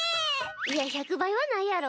いや１００倍はないやろ。